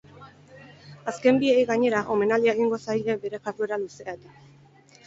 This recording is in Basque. Azken biei, gainera, omenaldia egingo zaie bere jarduera luzea eta.